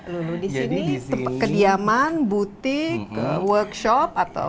lulu di sini kediaman butik workshop atau